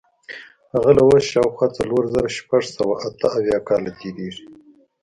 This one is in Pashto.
هغه له اوسه شاوخوا څلور زره شپږ سوه اته اویا کاله تېرېږي.